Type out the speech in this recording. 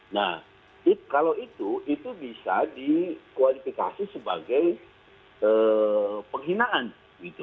nah kalau itu itu bisa dikualifikasi sebagai penghinaan gitu